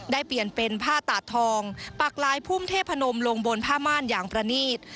ได้เปลี่ยนเป็นผ้าตาดทองปากลายพุ่มเทพนมลงบนผ้าม่านอย่างประนีต